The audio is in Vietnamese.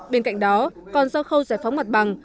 bên cạnh đó còn do khâu giải phóng mặt bằng